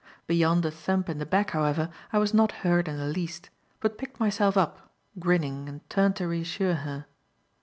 Beyond a thump in the back, however, I was not hurt in the least, but picked myself up, grinning and turned to reassure her.